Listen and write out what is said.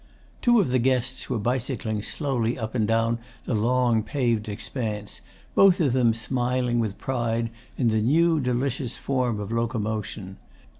Two of the guests were bicycling slowly up and down the long paven expanse, both of them smiling with pride in the new delicious form of locomotion.